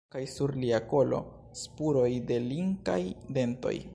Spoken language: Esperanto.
Kaj sur lia kolo – spuroj de linkaj dentoj.